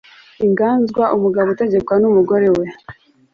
inganzwa umugabo utegekwa n'umugore we